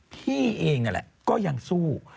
พี่เองนั่นแหละก็ยังสู้